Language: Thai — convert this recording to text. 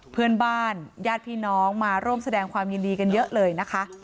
เพื่อนบ้านญาติพี่น้องมาร่วมแสดงความยินดีกันเยอะเลยนะคะ